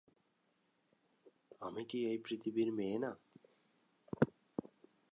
আমি কি এই পৃথিবীর মেয়ে না?